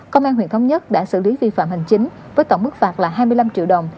công an huyện thống nhất đã xử lý vi phạm hành chính với tổng mức phạt là hai mươi năm triệu đồng